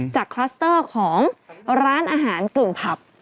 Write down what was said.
คลัสเตอร์ของร้านอาหารกึ่งผับ